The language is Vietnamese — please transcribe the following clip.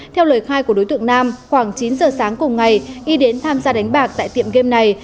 theo lời khai của đối tượng nam khoảng chín giờ sáng cùng ngày y đến tham gia đánh bạc tại tiệm game này